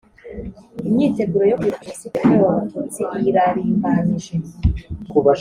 imyiteguro yo kwibuka jenoside yakorewe abatutsi irarimbanyije